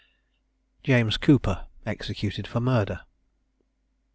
JAMES COOPER. EXECUTED FOR MURDER.